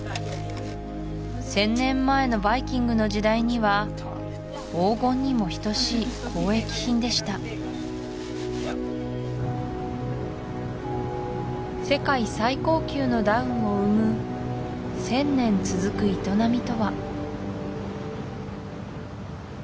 １０００年前のヴァイキングの時代には黄金にも等しい交易品でした世界最高級のダウンを生む１０００年続く営みとは？